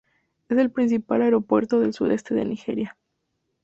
Es el principal aeropuerto del sudeste de Nigeria.